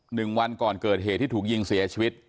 หนึ่งวันก่อนเกิดเหตุที่ถูกยิงเสียชีวิต